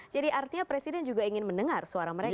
jadi artinya presiden juga ingin mendengar suara mereka